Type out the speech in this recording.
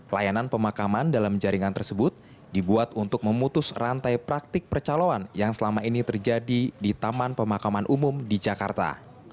layanan pemakaman dalam jaringan tersebut dibuat untuk memutus rantai praktik percaloan yang selama ini terjadi di taman pemakaman umum di jakarta